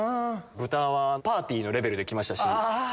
豚はパーティーのレベルで来ましたし。